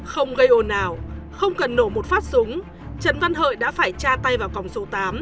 không gây ồn ào không cần nổ một phát súng trần văn hợi đã phải tra tay vào còng số tám